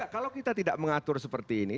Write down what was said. kalau kita tidak mengatur seperti ini